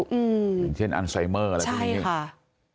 อย่างเช่นอันไซเมอร์อะไรแบบนี้